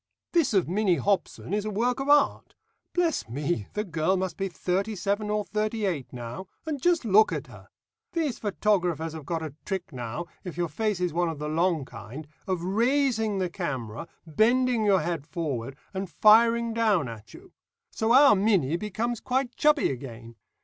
"This of Minnie Hobson is a work of art. Bless me, the girl must be thirty seven or thirty eight now, and just look at her! These photographers have got a trick now, if your face is one of the long kind, of raising the camera, bending your head forward, and firing down at you. So our Minnie becomes quite chubby again.